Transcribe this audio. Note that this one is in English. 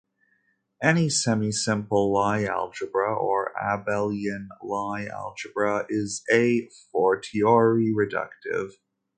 Any semisimple Lie algebra or abelian Lie algebra is "a fortiori" reductive.